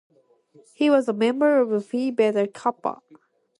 He was a member of Phi Beta Kappa.